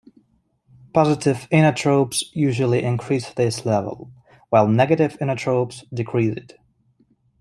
Positive inotropes usually increase this level, while negative inotropes decrease it.